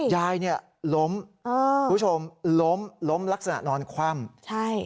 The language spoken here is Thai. ยายนี่ล้มคุณผู้ชมล้มลักษณะนอนคว่ำ